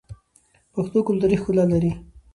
پښتو کلتوري ښکلا لري.